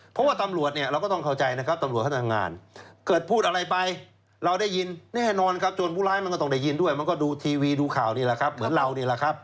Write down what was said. เพราะว่าตำรวจเนี่ยเราก็ต้องเข้าใจนะครับตำรวจเขาทำงานเกิดพูดอะไรไปเราได้ยินแน่นอนครับจนผู้ร้ายมันก็ต้องได้ยินด้วยมันก็ดูทีวีดูข่าวนี่แหละครับเหมือนเรานี่แหละครับ